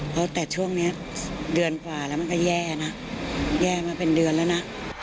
เพราะแต่ช่วงนี้เดือนกว่าแล้วมันก็แย่นะแย่มาเป็นเดือนแล้วนะ